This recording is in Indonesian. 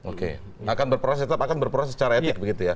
oke akan berproses tetap akan berproses secara etik begitu ya